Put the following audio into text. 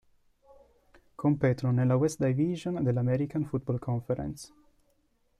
Competono nella West Division della American Football Conference.